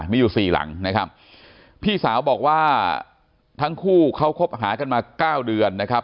มีอยู่สี่หลังนะครับพี่สาวบอกว่าทั้งคู่เขาคบหากันมาเก้าเดือนนะครับ